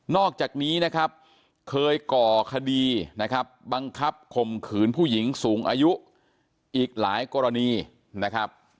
อกจากนี้นะครับเคยก่อคดีนะครับบังคับข่มขืนผู้หญิงสูงอายุอีกหลายกรณีนะครับ